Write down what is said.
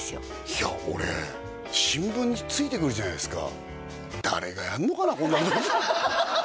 いや俺新聞に付いてくるじゃないですか？